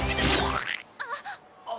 あっ！